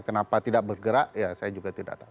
kenapa tidak bergerak ya saya juga tidak tahu